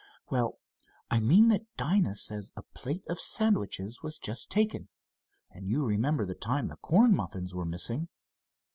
"Well, I mean that Dinah says a plate of sandwiches was just taken, and you remember the time the corn muffins were missing?"